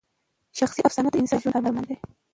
شخصي افسانه د انسان د ژوند ارمان دی.